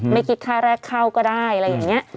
ไม่คิดค่าแรกเข้าก็ได้อะไรอย่างนี้